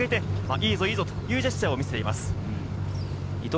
いいぞ！というジェスチャーを見せています。